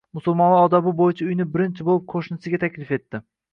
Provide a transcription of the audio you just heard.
Musulmon odobi boʻyicha uyini birinchi boʻlib qoʻshnisiga taklif etdi